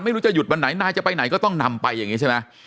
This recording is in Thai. ไม่รู้จะหยุดวันไหนนายจะไปไหนก็ต้องนำไปอย่างนี้ใช่ไหม